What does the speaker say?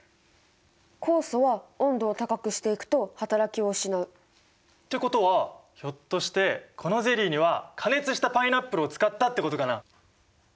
酵素は温度を高くしていくとはたらきを失う。ってことはひょっとしてこのゼリーには加熱したパイナップルを使ったってことかな？